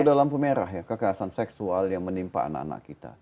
ada lampu merah ya kekerasan seksual yang menimpa anak anak kita